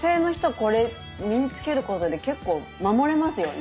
これ身に付けることで結構守れますよね。